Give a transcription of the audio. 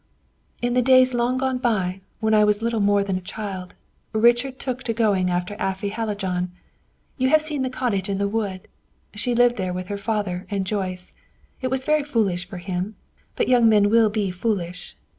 "In the days long gone by, when I was little more than a child, Richard took to going after Afy Hallijohn. You have seen the cottage in the wood; she lived there with her father and Joyce. It was very foolish for him; but young men will be foolish.